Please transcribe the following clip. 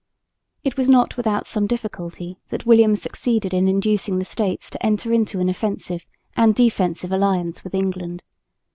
It was not without some difficulty that William succeeded in inducing the States to enter into an offensive and defensive alliance with England.